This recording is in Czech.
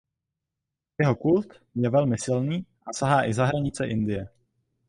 Jeho kult je velmi silný a sahá i za hranice Indie.